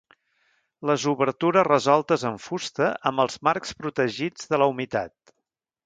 Les obertures resoltes en fusta, amb els marcs protegits de la humitat.